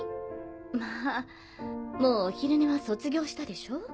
まぁもうお昼寝は卒業したでしょ？